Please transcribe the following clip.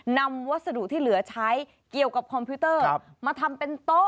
วัสดุที่เหลือใช้เกี่ยวกับคอมพิวเตอร์มาทำเป็นโต๊ะ